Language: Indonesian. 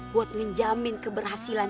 buat ngejamin keberhasilan